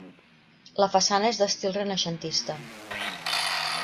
La façana és d'estil renaixentista.